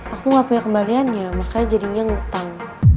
aku gak punya kembaliannya makanya jadinya ngutang